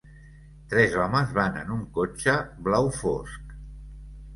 tres homes van en un cotxe blau fosc.